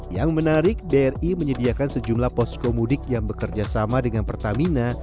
yang menarik bri menyediakan sejumlah poskomudik yang bekerjasama dengan pertamina